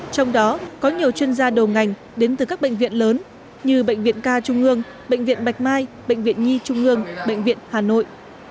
trong đó có nhiều chuyên gia đầu ngành đến từ các bệnh viện lớn như bệnh viện ca trung ương bệnh viện bạch mai bệnh viện nhi trung ương bệnh viện hà nội